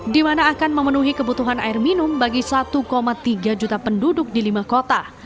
di mana akan memenuhi kebutuhan air minum bagi satu tiga juta penduduk di lima kota